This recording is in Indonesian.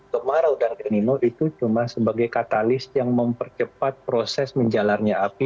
kemarau dan el nino itu cuma sebagai katalis yang mempercepat proses menjalarnya api